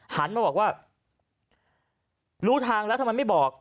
หันมาบอกว่ารู้ทางแล้วทำไมไม่บอก